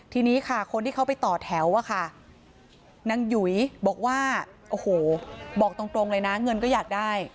ทีนี้ค่ะคนที่เขาไปต่อแถวอะค่ะนางหยุยบอกว่าโอ้โหบอกตรงเลยนะเงินก็อยากได้